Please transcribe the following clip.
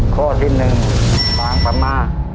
ข้อที่หนึ่งบางประมะ